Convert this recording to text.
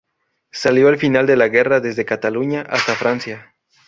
Salió al final de la guerra desde Cataluña hasta Francia.